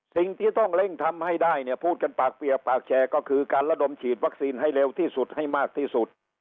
สิ่งที่ต้องเร่งทำให้ได้เนี่ยพูดกันปากเปียกปากแชร์ก็คือการระดมฉีดวัคซีนให้เร็วที่สุดให้มากที่สุด